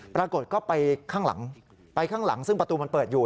ปรากฏก็ไปข้างหลังไปข้างหลังซึ่งประตูมันเปิดอยู่